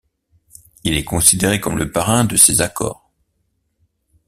Il est considéré comme le parrain de ces accords.